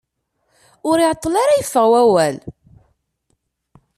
Ur iɛeṭṭel ara yeffeɣ wawal.